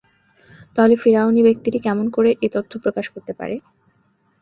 তাহলে ফিরআউনী ব্যক্তিটি কেমন করে এ তথ্য প্রকাশ করতে পারে?